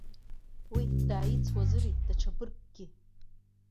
Уи дааицуазырит даҽа быргкгьы.